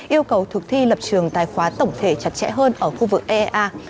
yêu cầu thực thi lập trường tài khoá tổng thể chặt chẽ hơn ở khu vực ea